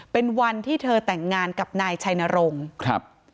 เป็นวันที่เธอแต่งงานกับนายชัยนรงค์ครับ